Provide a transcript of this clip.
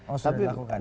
oh sudah dilakukan